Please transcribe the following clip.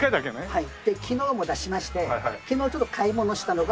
はい。